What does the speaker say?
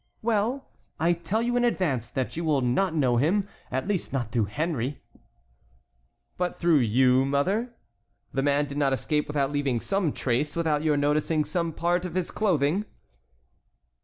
"Well, I tell you in advance that you will not know him, at least not through Henry." "But through you, mother? The man did not escape without leaving some trace, without your noticing some part of his clothing."